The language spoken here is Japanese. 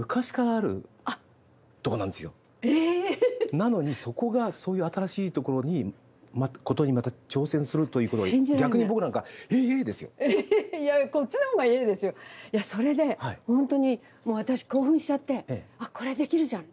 なのにそこがそういう新しいことにまた挑戦するということが逆に僕なんか「ええ！」ですよ。いやこっちのほうが「ええ！」ですよ！いやそれで本当にもう私興奮しちゃって「あっ！これできるじゃん！」。